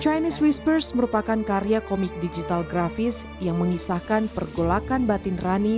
chinese whispers merupakan karya komik digital grafis yang mengisahkan pergolakan batin rani